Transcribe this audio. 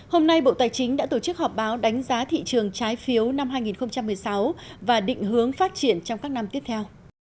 hôm nay bộ tài chính đã tổ chức họp báo đánh giá thị trường trái phiếu năm hai nghìn một mươi sáu và định hướng phát triển trong các năm tiếp theo